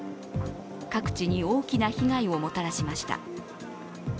各地に大きな被害をもたらしました。